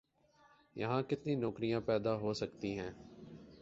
یہاں کتنی نوکریاں پیدا ہو سکتی ہیں؟